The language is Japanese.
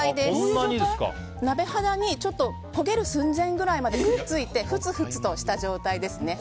鍋肌に焦げる寸前くらいまでくっついてふつふつとした状態ですね。